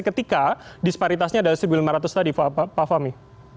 ketika disparitasnya adalah satu lima ratus tadi pak fahmi